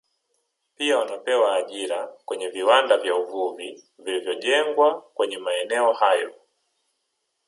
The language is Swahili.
Pia wanapewa ajira kwenye viwanda vya uvuvi vilivyojengwa kwenye maeneo hayo